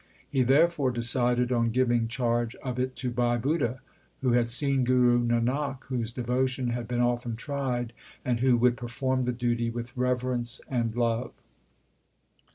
He therefore decided on giving charge of it to Bhai Budha, who had seen Guru Nanak, whose devotion had been often tried, and who would per form the duty with reverence and love.